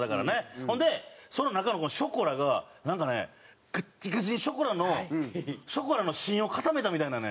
ほんで、その中のショコラがなんかね、カッチカチにショコラの芯を固めたみたいなね。